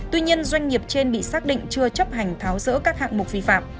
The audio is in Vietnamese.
tuy nhiên doanh nghiệp trên bị xác định chưa chấp hành tháo rỡ các hạng mục vi phạm